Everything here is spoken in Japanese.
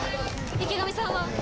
池上さんは。